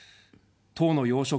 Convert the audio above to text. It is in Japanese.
党の要職。